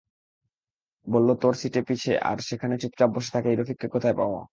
বললো তোর সিট পিছে আর সেখানে চুপচাপ বসে থাক এই রফিককে কোথায় পাবো?